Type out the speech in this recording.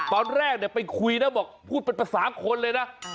ตอนแรกไปคุยนะบอกพูดเป็นภาษาคนเลยนะ